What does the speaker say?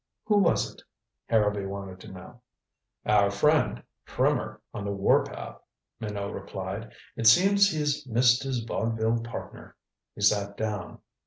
"Who was it?" Harrowby wanted to know. "Our friend Trimmer, on the war path," Minot replied. "It seems he's missed his vaudeville partner." He sat down.